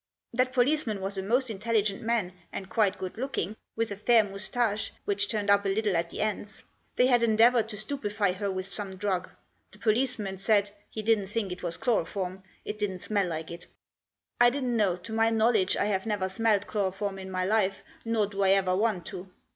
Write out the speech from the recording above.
That policeman was a most intelligent man, and quite good looking, with a fair moustache which turned up a little at the ends. They had endeavoured to stupefy her with some drug; the policemen said he didn't think it was chloroform, it didn't smell like it. I didn't know — to my knowledge I have never smelt chloroform in my life, nor do I ever want to.